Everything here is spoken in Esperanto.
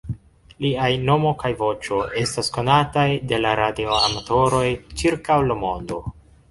Liaj nomo kaj voĉo estas konataj de la radioamatoroj ĉirkaŭ la mondo.